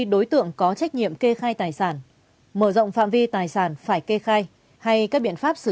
đối tượng có trách nhiệm kê khai tài sản mở rộng phạm vi tài sản phải kê khai hay các biện pháp xử